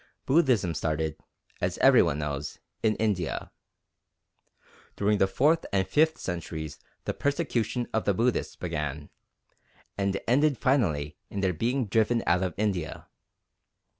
Buddhism started, as every one knows, in India. During the fourth and fifth centuries the persecution of the Buddhists began, and ended finally in their being driven out of India.